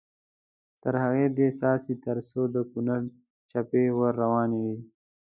تر هغو دې څاڅي تر څو د کونړ څپې ور روانې وي.